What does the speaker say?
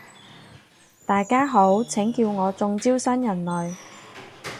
大家好，請叫我中招新人類